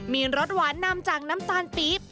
มีรสหวานนำจากน้ำตาลปี๊บ